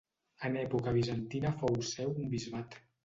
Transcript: En època bizantina fou seu un bisbat.